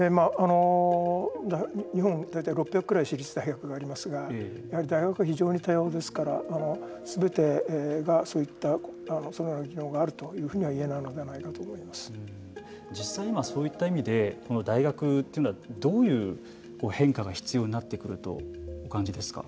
日本には大体６００ぐらい私立大学がありますがやはり大学は非常に多様ですからすべてがそういう機能があるというふうには実際今、そういった意味で大学はどういう変化が必要になってくるとお感じですか。